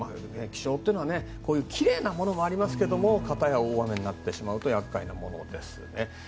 気象というのはこういうきれいなものもありますがかたや大雨になってしまうと厄介なものですね。